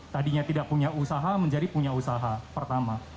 tadinya tidak punya usaha menjadi punya usaha pertama